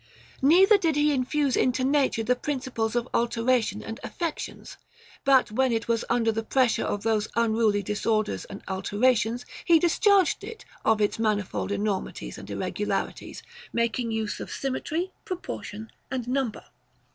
Neither did he infuse into nature the principles of alteration and affec OF THE PROCREATION OF THE SOUL. 335 affections ; but when it was under the pressure of those unruly disorders and alterations, he discharged it of its manifold enormities and irregularities, making use of symmetry, proportion, and number.